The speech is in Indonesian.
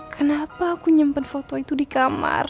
kenapa aku nyempet foto itu di kamar